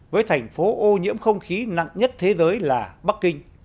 với thành phố ô nhiễm không khí nặng nhất thế giới là bắc kinh